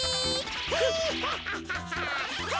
ヒハハハハ！